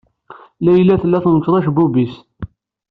Layla tella tmecceḍ acebbub-is.